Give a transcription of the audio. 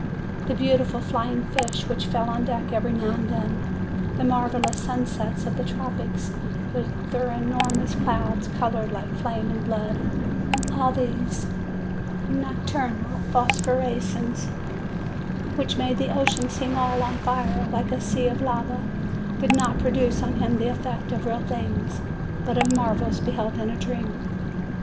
The beautiful flying fish which fell on deck every now and then, the marvellous sun sets of the tropics, with their enormous clouds colored like flame and blood, and those nocturnal phosphor escences which made the ocean seem all on fire like a sea of lava, did not produce on him the effect of real things, but of marvels beheld in a dream.